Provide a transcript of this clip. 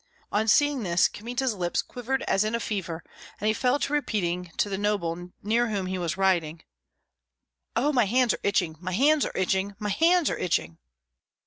On seeing this, Kmita's lips quivered as in a fever, and he fell to repeating to the noble near whom he was riding, "Oh, my hands are itching, my hands are itching, my hands are itching!"